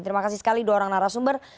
terima kasih sekali dua orang narasumber